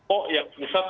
oh yang pusat